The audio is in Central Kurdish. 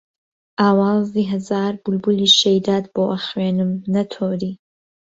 ئاوازی ههزار بولبولی شهیدات بۆ ئهخوێنم، نهتۆری